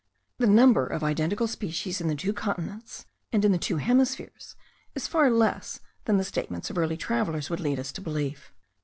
The number of identical species in the two continents and in the two hemispheres is far less than the statements of early travellers would lead us to believe.